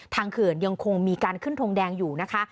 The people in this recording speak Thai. เขื่อนยังคงมีการขึ้นทงแดงอยู่นะคะ